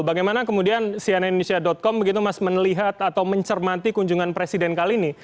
bagaimana kemudian cnn indonesia com begitu mas melihat atau mencermati kunjungan presiden kali ini